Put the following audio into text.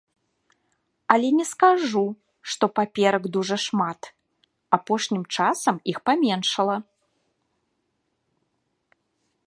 Але не скажу, што паперак дужа шмат, апошнім часам іх паменшала.